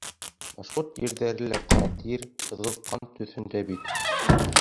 Башҡорт ерҙәре лә ҡара тир, ҡыҙғылт ҡан төҫөндә бит.